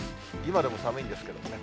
今でも寒いんですけどね。